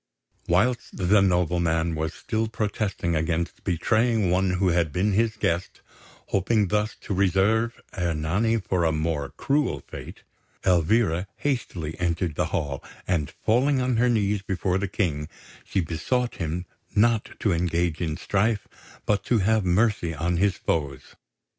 Whilst the nobleman was still protesting against betraying one who had been his guest, hoping thus to reserve Ernani for a more cruel fate, Elvira hastily entered the hall, and, falling on her knees before the King, she besought him not to engage in strife, but to have mercy on his foes.